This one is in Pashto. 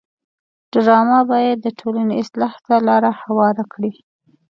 ډرامه باید د ټولنې اصلاح ته لاره هواره کړي